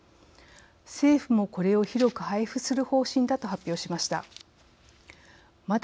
政府もこれを広く配布する方針だと発表しました。